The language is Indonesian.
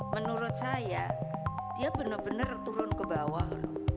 menurut saya dia benar benar turun ke bawah